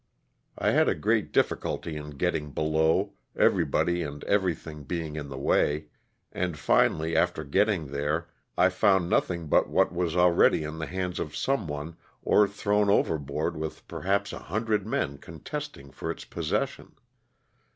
I had groat ditKculty in getting below, every body and everything being in the way, and finally, after getting there, 1 found nothing but what was already in the hands of someone or thrown overboard with perhaps a hundred men contesting for its possession.